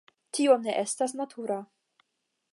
Tio ne estas natura.